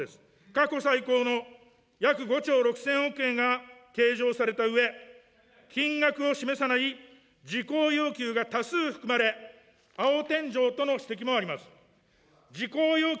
過去最高の約５兆６０００億円が、計上されたうえ、金額を示さない事項要求が多数含まれ、青天井との指摘もあります。